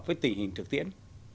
với tình hình thực tiễn